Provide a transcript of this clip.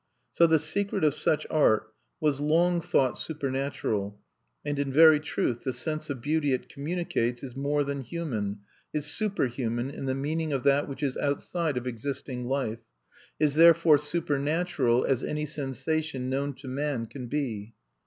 So the secret of such art was long thought supernatural; and, in very truth, the sense of beauty it communicates is more than human, is superhuman, in the meaning of that which is outside of existing life, is therefore supernatural as any sensation known to man can be.